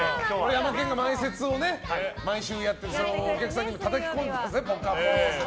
ヤマケンが前説を毎週やってお客さんに叩き込んでぽかぽ、か！